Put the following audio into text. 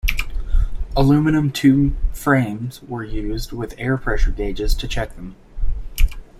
Aluminium tube frames were used, with air pressure gauges to check them.